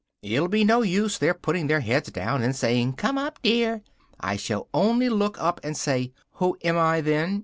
It'll be no use their putting their heads down and saying 'come up, dear!' I shall only look up and say 'who am I then?